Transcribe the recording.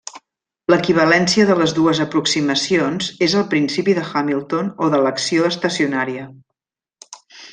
L'equivalència de les dues aproximacions és el principi de Hamilton o de l'acció estacionària.